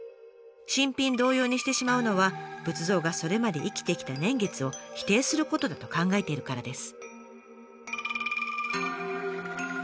新品同様にしてしまうのは仏像がそれまで生きてきた年月を否定することだと考えているからです。